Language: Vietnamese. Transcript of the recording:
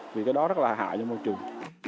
vì cái đó rất là hại cho môi trường